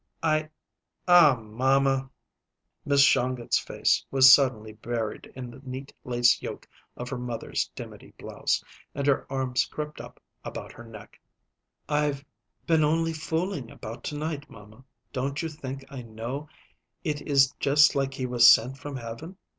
"I aw, mamma." Miss Shongut's face was suddenly buried in the neat lace yoke of her mother's dimity blouse, and her arms crept up about her neck. "I've been only fooling about to night, mamma. Don't you think I know it is just like he was sent from heaven?